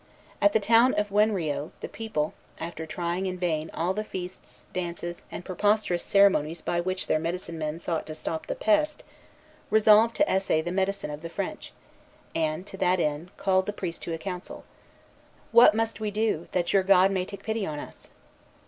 At the town of Wenrio, the people, after trying in vain all the feasts, dances, and preposterous ceremonies by which their medicine men sought to stop the pest, resolved to essay the "medicine" of the French, and, to that end, called the priests to a council. "What must we do, that your God may take pity on us?"